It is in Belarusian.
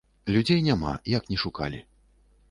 Людзей няма, як ні шукалі.